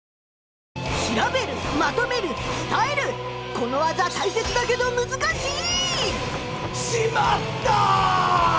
この技大切だけどむずかしい！